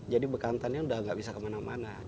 jadi bekantannya udah nggak bisa kemana mana